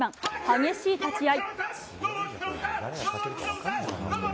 激しい立ち合い。